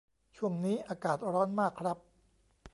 ช่วงนี้อากาศร้อนมากครับ